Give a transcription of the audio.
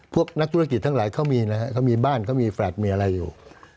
นักธุรกิจทั้งหลายเขามีนะครับเขามีบ้านเขามีแฟลตมีอะไรอยู่